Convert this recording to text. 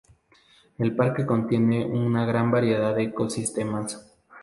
El parque contiene una gran variedad de ecosistemas.